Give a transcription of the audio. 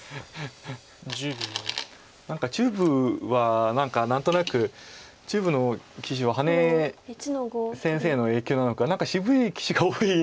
何か中部は何となく中部の棋士は羽根先生の影響なのか何か渋い棋士が多い印象なんですよね。